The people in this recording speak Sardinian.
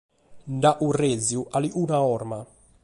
Nd’at currezidu calicuna forma.